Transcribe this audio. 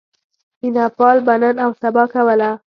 مینه پال به نن اوسبا کوله.